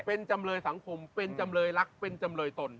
เป็นจำเลยสังคมเป็นจำเลยรักเป็นจำเลยตน